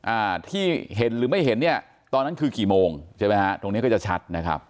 อ่าที่เห็นหรือไม่เห็นเนี่ยตอนนั้นคือกี่โมงใช่ไหมฮะตรงเนี้ยก็จะชัดนะครับ